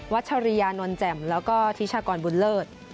ชัชริยานนแจ่มแล้วก็ธิชากรบุญเลิศ